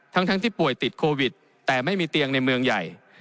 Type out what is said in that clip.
ทั้งที่ป่วยติดโควิดแต่ไม่มีเตียงในเมืองใหญ่